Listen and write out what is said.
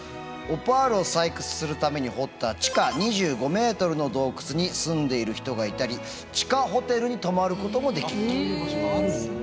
オパールを採掘するために掘った地下２５ｍの洞窟に住んでいる人がいたり地下ホテルに泊まることもできるという。